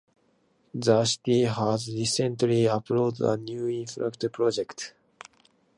The city has recently approved a new infrastructure project.